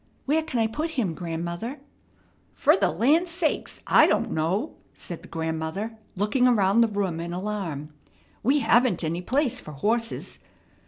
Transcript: "Where can I put him, grandmother?" "Fer the land sakes! I don't know," said the grandmother, looking around the room in alarm. "We haven't any place fer horses.